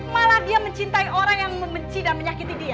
malah dia mencintai orang yang membenci dan menyakiti dia